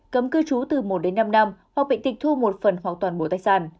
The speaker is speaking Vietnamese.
cấm cư trú từ một đến năm năm hoặc bị tịch thu một phần hoặc toàn bộ tài sản